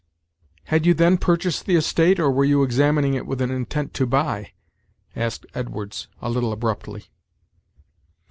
"Had you then purchased the estate, or were you examining it with an intent to buy?" asked Edwards, a little abruptly.